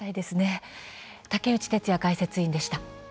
竹内哲哉解説委員でした。